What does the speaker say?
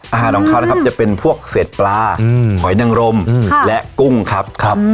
อาหารของเขานะครับจะเป็นพวกเศษปลาหอยนังรมและกุ้งครับ